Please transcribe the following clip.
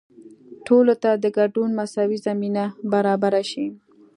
ټولو ته د ګډون مساوي زمینه برابره شي.